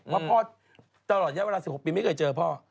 ว่าพ่อตลอดเยอะเวลา๑๖ปีไม่เคยเจอพ่อ